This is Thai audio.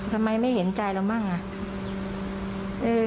ทำไมไม่เห็นใจเรามั่งอ่ะ